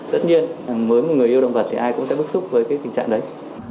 tất nhiên với một người yêu động vật thì ai cũng sẽ bức xúc với tình trạng đấy